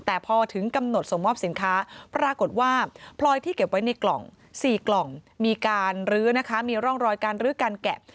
แต่พอถึงกำหนดส่งมอบสินค้าปรากฏว่าพลอยที่เก็บไว้ในกล่อง๔กล่องมีการลื้อนะคะมีร่องรอยการรื้อการแกะ